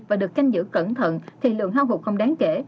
và được canh giữ cẩn thận thì lượng hao hụt không đáng kể